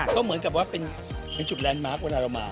ก็เหมือนกับว่าเป็นจุดแลนดมาร์คเวลาเรามา